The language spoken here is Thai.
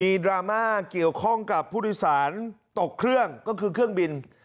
ดราม่าเกี่ยวข้องกับผู้โดยสารตกเครื่องก็คือเครื่องบิน